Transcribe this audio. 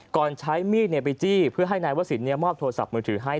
ใช้มีดไปจี้เพื่อให้นายวสินมอบโทรศัพท์มือถือให้